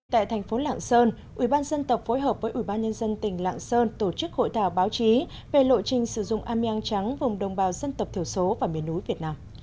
tại thành phố lạng sơn ủy ban dân tộc phối hợp với ủy ban nhân dân tỉnh lạng sơn tổ chức hội thảo báo chí về lộ trình sử dụng ameang trắng vùng đồng bào dân tộc thiểu số và miền núi việt nam